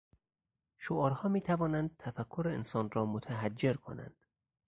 شعارها میتوانند تفکر انسان را متحجر کنند.